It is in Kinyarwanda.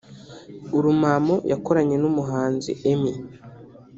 ‘Urumamo’ yakoranye n’umuhanzi Emmy